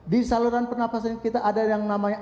di saluran pernafasan kita ada yang namanya